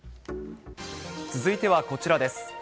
続いてはこちらです。